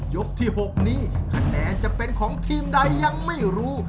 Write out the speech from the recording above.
ยกที่๖นี้คะแนนจะเป็นของทีมใดยังไม่รู้